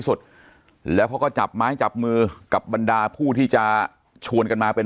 สุดแล้วเขาก็จับไม้จับมือกับบรรดาผู้ที่จะชวนกันมาเป็น